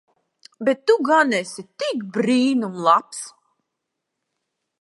Bet tu gan esi tik brīnum labs.